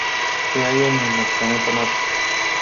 Se hallan en el planeta Marte.